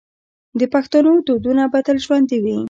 د پښتنو دودونه به تل ژوندي وي.